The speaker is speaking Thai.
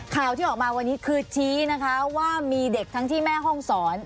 ข่าวที่ออกมาวันนี้คือชี้นะคะว่ามีเด็กทั้งที่แม่ห้องศร